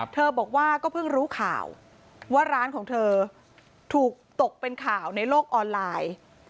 เธอบอกว่าก็เพิ่งรู้ข่าวว่าร้านของเธอถูกตกเป็นข่าวในโลกออนไลน์